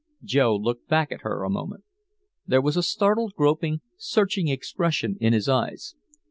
Joe looked back at her a moment. There was a startled, groping, searching expression in his eyes.